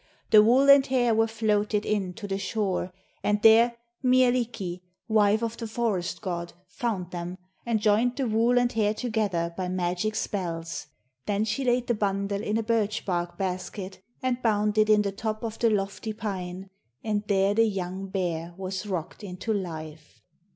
The wool and hair were floated in to the shore, and there Mielikki, wife of the forest god, found them and joined the wool and hair together by magic spells. Then she laid the bundle in a birch bark basket and bound it in the top of the lofty pine, and there the young bear was rocked into life.